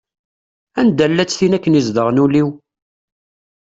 Anda-llatt tin akken i izedɣen ul-iw?